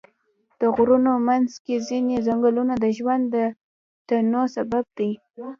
د غرونو منځ کې ځینې ځنګلونه د ژوند د تنوع سبب دي.